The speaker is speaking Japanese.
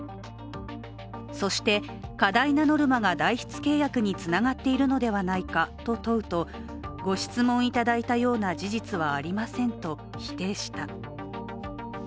そして、過大なノルマが代筆契約につながっているのではないかと問うと、ご質問いただいたような事実はありませんと否定した。